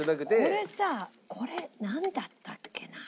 これさこれなんだったっけな。